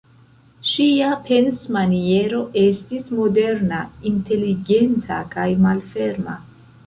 Ŝia pensmaniero estis moderna, inteligenta kaj malferma.